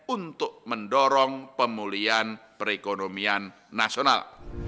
untuk mendorong pemulihan perekonomian nasional